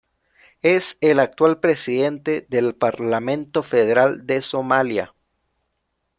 Es el actual presidente del Parlamento Federal de Somalia.